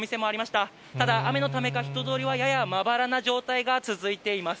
ただ、雨のためか、人通りはややまばらな状態が続いています。